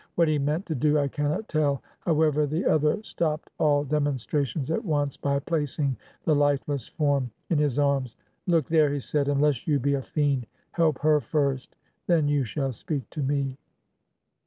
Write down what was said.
What he meant to do I cannot tell; however, the other stopped all dem onstrations at once by placing the lifeless form in his arms. 'Look there!' he said; 'xmless you be a fiend, help her first — then you shall speak to me.'